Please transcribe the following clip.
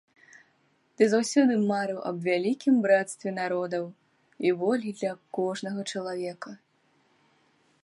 Ты заўсёды марыў аб вялікім брацтве народаў і волі для кожнага чалавека.